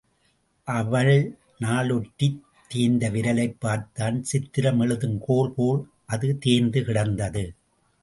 அவள் நாள் ஒற்றித் தேய்ந்த விரலைப் பார்த்தான் சித்திரம் எழுதும் கோல் போல் அது தேய்ந்து கிடந்தது.